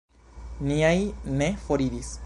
Niaj ne foriris.